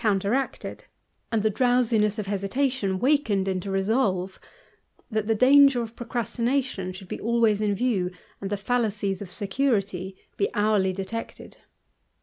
303 counteracted, and the drowsiness of hesitation wakened into resolve ; that the danger of procrastination should be always in view, and the fallacies of security be hourly detected.